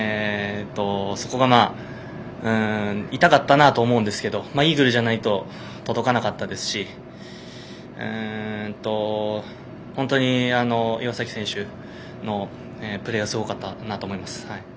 そこが痛かったなと思うんですがイーグルじゃないと届かなかったですし本当に岩崎選手のプレーはすごかったなと思います。